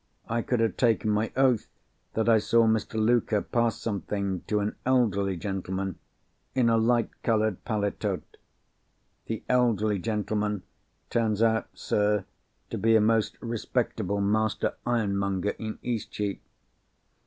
I could have taken my oath that I saw Mr. Luker pass something to an elderly gentleman, in a light coloured paletot. The elderly gentleman turns out, sir, to be a most respectable master iron monger in Eastcheap."